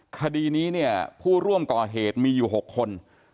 คดีนี้ผู้ร่วมต่อเหตุมีอยู่๖คน